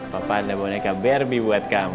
papa anda boneka barbie buat kamu